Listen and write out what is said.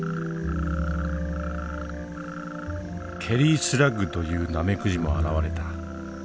ケリースラッグというナメクジも現れた。